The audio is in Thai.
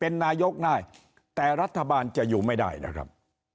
เป็นนายกได้แต่รัฐบาลจะอยู่ไม่ได้นะครับ